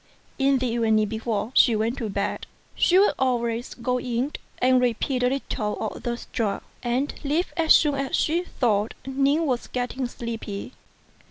In the evening before she went to bed, she would always go in and repeat a little of the sutra, and leave as soon as she thought Ning was getting sleepy.